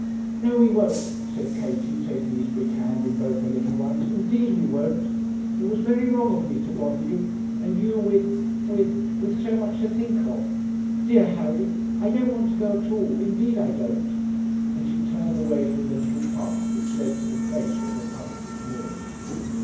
'No, we won't,' said Katie, taking his big hand in both her little ones, 'indeed we won't. It was very wrong of me to bother you; and you with with with so much to think of. Dear Harry, I don't want to go at all, indeed I don't,' and she turned away from the little path which led to the place where the punt was moored.